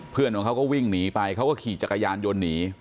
เพื่อนของเขาก็วิ่งหนีไปเขาก็ขี่จักรยานยนต์หนี